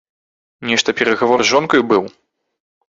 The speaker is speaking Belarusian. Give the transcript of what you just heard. Нешта перагавор з жонкаю быў?